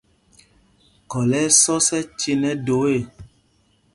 Khɔl ɛ́ ɛ́ sɔs ɛcen ɛ do ê.